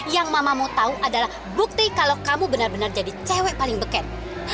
yang mama mau tau adalah bukti kalau kamu benar benar jadi cewek paling beken